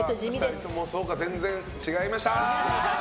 ２人とも全然違いました。